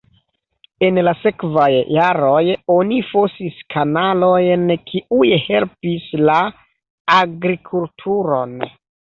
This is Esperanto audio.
En la sekvaj jaroj oni fosis kanalojn, kiuj helpis la agrikulturon.